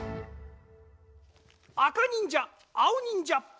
あかにんじゃあおにんじゃ。